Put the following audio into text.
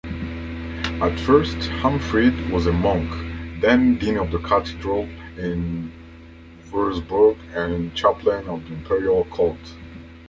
At first, Humfried was a monk, then dean of the cathedral in Würzburg and chaplain of the imperial court.